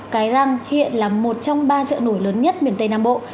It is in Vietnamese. cái răng hiện là một trong ba chợ nổi lớn nhất miền tây nam bộ